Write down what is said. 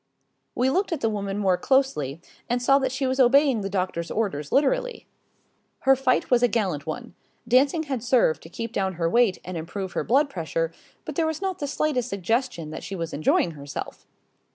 '" We looked at the woman more closely and saw that she was obeying the doctor's orders literally. Her fight was a gallant one. Dancing had served to keep down her weight and improve her blood pressure, but there was not the slightest suggestion that she was enjoying herself.